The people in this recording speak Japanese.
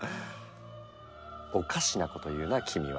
オカシなこと言うな君は！